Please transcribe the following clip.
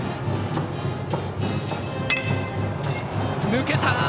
抜けた！